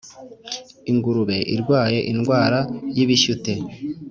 ingurube irwaye indwara y ibishyute